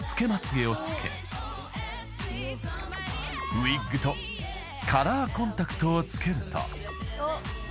［ウイッグとカラーコンタクトをつけると］